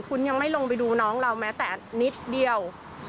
คุณยังไม่ลงไปดูน้องเราแม้แต่นิดเดียว